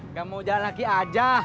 nggak mau jalan kaki aja